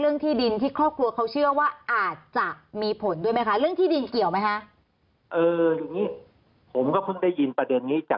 เรื่องที่ดินที่ครอบครัวเขาเชื่อว่าอาจจะมีผลด้วยมั้ยค่ะ